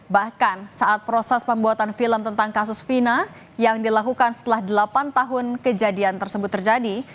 bahkan saat proses pembuatan film tentang kasus vina yang dilakukan setelah delapan tahun kejadian tersebut terjadi